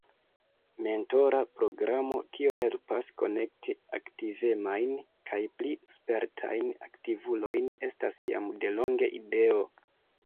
Mentora programo, kio helpas konekti aktivemajn kaj pli spertajn aktivulojn estas jam delonge ideo.